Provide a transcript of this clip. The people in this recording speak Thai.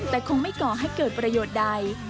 แต่คงไม่ก่อให้เกิดประโยชน์ใด